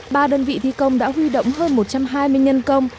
ba đơn vị thi công đã huy động hơn một trăm hai mươi nhân công